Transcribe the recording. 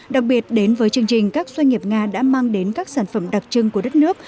đặc biệt đến với chương trình các doanh nghiệp nga đã mang đến các sản phẩm đặc trưng của đất nước